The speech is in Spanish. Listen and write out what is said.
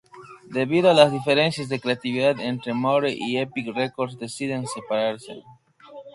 Debido a las diferencias de creatividad entre Moore y Epic Records, deciden separarse.